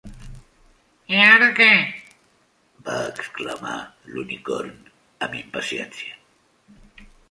"I ara, què?", va exclamar l'Unicorn amb impaciència.